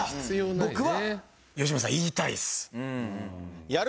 僕は吉村さん言いたいです。